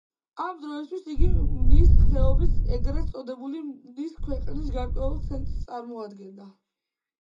ამ დროისთვის იგი მნის ხეობის, ეგრეთ წოდებული „მნის ქვეყნის“ გარკვეულ ცენტრს წარმოადგენდა.